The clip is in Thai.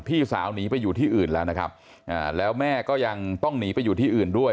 พี่สาวหนีไปอยู่ที่อื่นแล้วนะครับอ่าแล้วแม่ก็ยังต้องหนีไปอยู่ที่อื่นด้วย